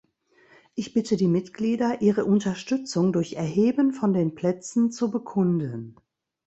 Ich bitte die Mitglieder, ihre Unterstützung durch Erheben von den Plätzen zu bekunden.